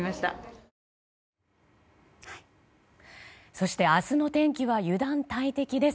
そして、明日の天気は油断大敵です。